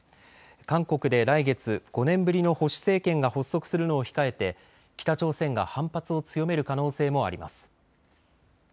韓国で来月５年ぶりの保守政権が発足するのを控えて北朝鮮が反発を強める可能性もあります。